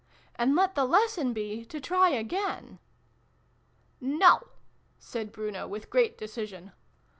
" And let the Lesson be ' to try again '!"" No," said Bruno with great decision.